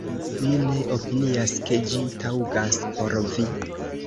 Mi ne opinias, ke ĝi taŭgas por vi"".